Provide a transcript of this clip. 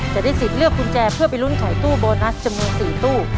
จะได้สิทธิ์เลือกกุญแจเพื่อไปลุ้นขายตู้โบนัสจำนวน๔ตู้